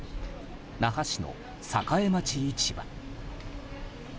那覇市の栄町市場。